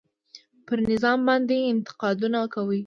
پر نظام باندې انتقادونه کوي.